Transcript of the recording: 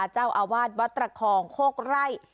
เจ้าอาวาสวัดตระคองโคกไร่